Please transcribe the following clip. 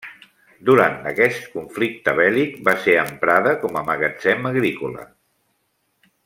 Durant aquest conflicte bèl·lic, va ser emprada com a magatzem agrícola.